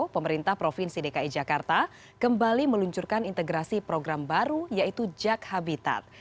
pemerintah provinsi dki jakarta kembali meluncurkan integrasi program baru yaitu jak habitat